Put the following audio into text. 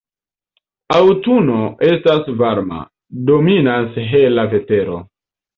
Aŭtuno estas varma, dominas hela vetero.